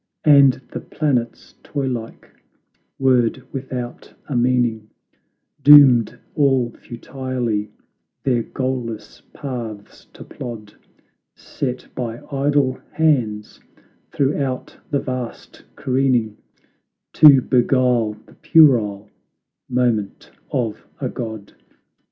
And the planets, toy like whirred without a meaning, Doomed all futilely their goalless paths to plod; Set by idle hands throughout the Vast careening, To beguile the puerile moment of a god!